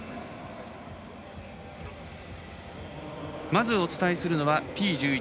まずお伝えするのはＴ１１